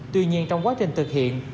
tuy nhiên trong quá trình thực hiện